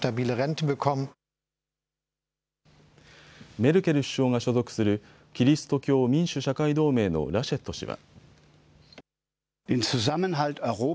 メルケル首相が所属するキリスト教民主・社会同盟のラシェット氏は。